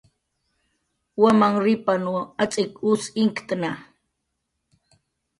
Wamanrripanw atz'ik us inktna